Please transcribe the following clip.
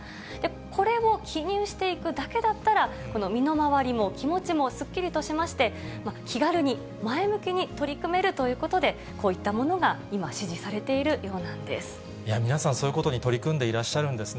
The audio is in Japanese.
これを記入していくだけだったら、身の回りも気持ちもすっきりとしまして、気軽に前向きに取り組めるということで、こういったものが今、支持されているようなんで皆さん、そういうことに取り組んでいらっしゃるんですね。